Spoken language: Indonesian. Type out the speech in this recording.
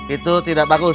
itu tidak bagus